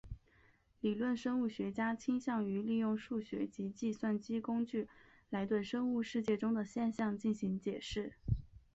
理论生物学家倾向于利用数学及计算机工具来对生物世界中的现象进行解释。